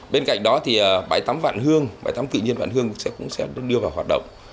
bên cạnh đó thì bãi tắm vạn hương bãi tắm tự nhiên vạn hương cũng sẽ được đưa vào hoạt động